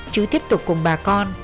chứ tiếp tục cùng bà con